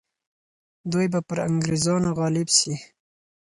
دوی به پر انګریزانو غالب سي.